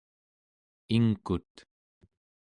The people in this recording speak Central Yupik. ingkut